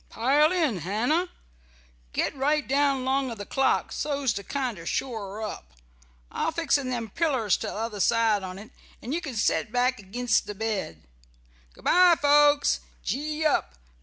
"Pile in, Hannah. Get right down 'long o' the clock, so's to kinder shore it up. I'll fix in them pillers t'other side on't, and you can set back ag'inst the bed. Good bye, folks! Gee up!